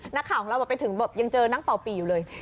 หน้าข่าวของเราก็อย่างเจอนางเปร่อยอยู่เลย